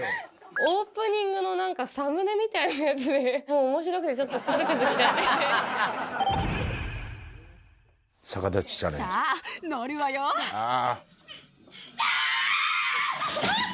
オープニングのなんか、サムネみたいなやつで、もうおもしろくて、ちょっとくすくすしちゃって。